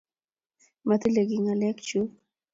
Matile kiy ngalek chug